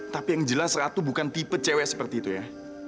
tapi yang jelas ratu bukan tipe cw seperti itu ya